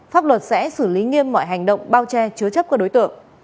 pháp luật sẽ xử lý nghiêm mọi hành động bao che chứa chấp các đối tượng